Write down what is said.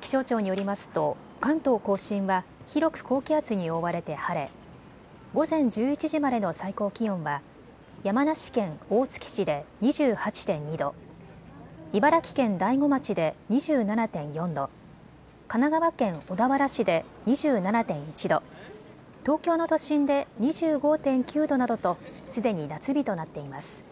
気象庁によりますと関東甲信は広く高気圧に覆われて晴れ午前１１時までの最高気温は山梨県大月市で２８．２度、茨城県大子町で２７．４度、神奈川県小田原市で２７．１度、東京の都心で２５．９度などとすでに夏日となっています。